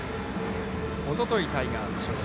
おとといタイガース勝利。